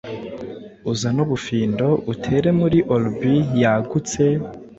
Uzane ubufindo, utere muri orb yagutse;